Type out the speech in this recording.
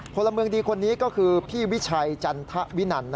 พลเมืองดีคนนี้ก็คือพี่วิชัยจันทวินัน